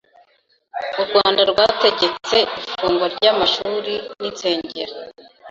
U Rwanda rwategetse ifungwa ry'amashuri n'insengero